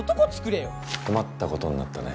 困ったことになったね。